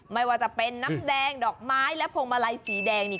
ไม่ว่าจะเป็นน้ำแดงดอกไม้และพวงมาลัยสีแดงนี่